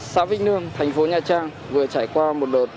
xã vĩnh nương thành phố nha trang vừa trải qua một đợt